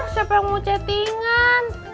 siapa yang mau chattingan